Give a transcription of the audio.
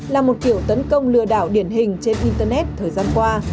là một kiểu tấn công lừa đảo điển hình trên internet thời gian qua